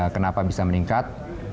kenapa bisa meningkat